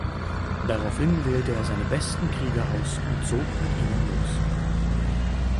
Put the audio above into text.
Daraufhin wählte er seine besten Krieger aus und zog mit ihnen los.